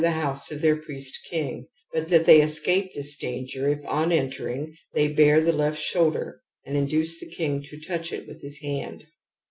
*' THE AMBIVALENCE OF EMOTIONS 71 the house of their priest king, but that they escape this danger if, on entering, they bare the left shoulder and induce the king to touch it with his hand.